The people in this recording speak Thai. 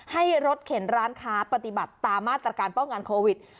ให้รถเข็นร้านค้าปฏิบัติตามมาตรการป้องกันโควิด